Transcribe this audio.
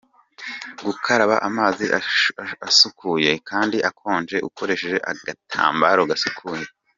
Gukaraba amazi asukuye kandi akonje, ukoresheje agatambaro gasukuye,.